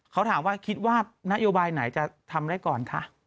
เขาถามว่าคิดว่านโยบายไหนจะทำได้ก่อนคะ